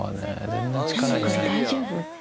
全然力入れない。